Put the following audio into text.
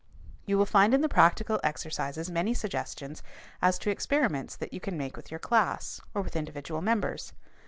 You will find in the practical exercises many suggestions as to experiments that you can make with your class or with individual members.